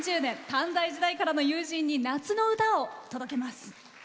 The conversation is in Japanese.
短大時代からの友人に夏の歌を届けます。